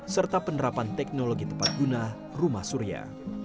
serta penerapan teknologi tepat guna rumah surya